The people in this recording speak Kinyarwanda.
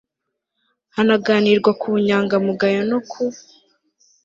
hanaganirwa ku bunyangamugayo no ku